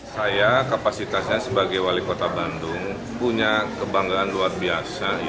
saya kapasitasnya sebagai wali kota bandung punya kebanggaan luar biasa